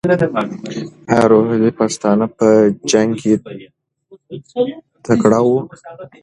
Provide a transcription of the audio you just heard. ایا روهیلې پښتانه په جنګ کې تکړه وو؟